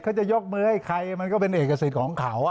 จะยกมือให้ใครมันก็เป็นเอกสิทธิ์ของเขา